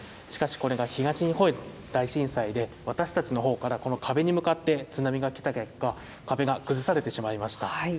しかし、これが東日本大震災で、私たちのほうからこの壁に向かって津波が来た結果、壁が崩されてしまいました。